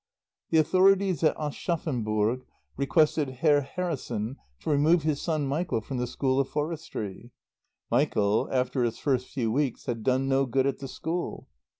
The authorities at Aschaffenburg requested Herr Harrison to remove his son Michael from the School of Forestry. Michael after his first few weeks had done no good at the school.